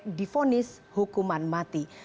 yang dipunis hukuman mati